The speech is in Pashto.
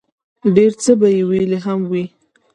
ډېر څۀ به ئې ويلي هم وي